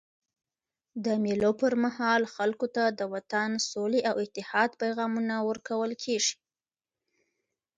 د مېلو پر مهال خلکو ته د وطن، سولي او اتحاد پیغامونه ورکول کېږي.